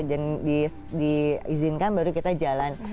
dan diizinkan baru kita jalan